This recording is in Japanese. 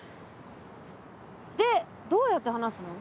でどうやって離すの？